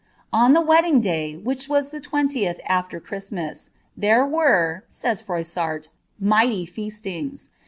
Ill the wedding day, which was the twentieth aAer Christmas, thera K," aays Froissarl, '' mighty feasiings.